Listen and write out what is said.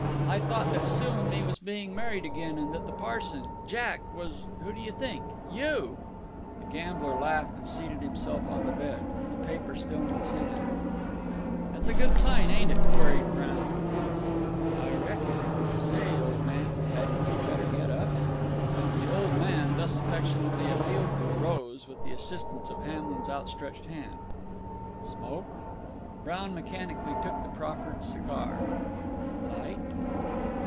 I thought that Sue and me was being married agin, and that the parson, Jack, was who do you think? you!" The gambler laughed, and seated himself on the bed the paper still in his hand. "It's a good sign, ain't it?" queried Brown. "I reckon. Say, old man, hadn't you better get up?" The "old man," thus affectionately appealed to, rose, with the assistance of Hamlin's outstretched hand. "Smoke?" Brown mechanically took the proffered cigar. "Light?"